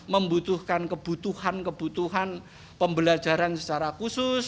membutuhkan kebutuhan kebutuhan pembelajaran secara khusus